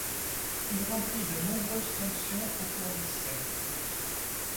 Il remplit de nombreuses fonctions au cours des siècles.